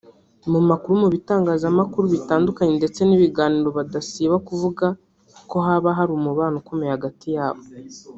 mu makuru mu bitangazamakuru bitandukanye ndetse n’ibiganiro badasiba kuvuga ko haba hari umubano ukomeye hagati yabo